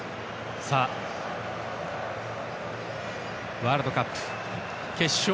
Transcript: ワールドカップ決勝。